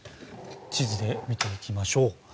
地図で見ていきましょう。